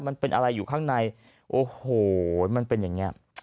มันเป็นอะไรอยู่ข้างในโอ้โหมันเป็นอย่างนี้